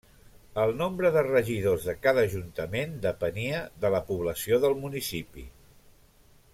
El nombre de regidors de cada ajuntament depenia de la població del municipi.